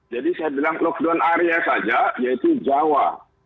jadi saya bilang lockdown area saja yaitu jawa